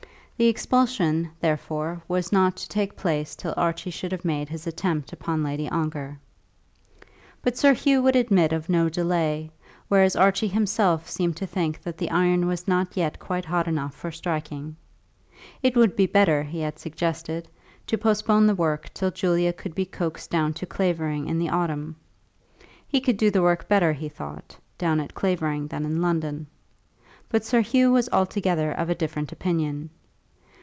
The expulsion, therefore, was not to take place till Archie should have made his attempt upon Lady Ongar. But Sir Hugh would admit of no delay, whereas Archie himself seemed to think that the iron was not yet quite hot enough for striking. It would be better, he had suggested, to postpone the work till Julia could be coaxed down to Clavering in the autumn. He could do the work better, he thought, down at Clavering than in London. But Sir Hugh was altogether of a different opinion.